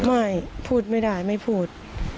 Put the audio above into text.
ไม่พูดไม่ได้ไม่พูด